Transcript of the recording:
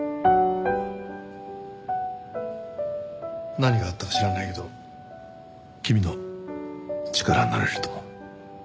何があったか知らないけど君の力になれると思う。